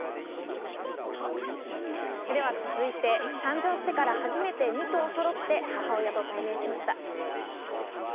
続いて誕生してから初めて２頭そろって母親と対面しました。